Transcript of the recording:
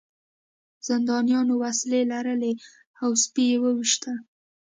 زندانیانو وسلې لرلې او سپي یې وویشتل